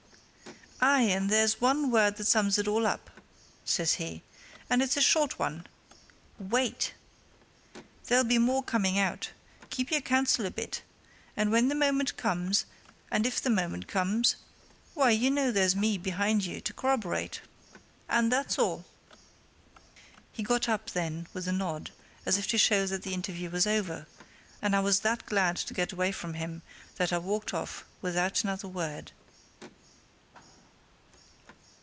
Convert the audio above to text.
"Aye, and there's one word that sums all up," said he. "And it's a short one. Wait! There'll be more coming out. Keep your counsel a bit. And when the moment comes, and if the moment comes why, you know there's me behind you to corroborate. And that's all!" He got up then, with a nod, as if to show that the interview was over, and I was that glad to get away from him that I walked off without another word.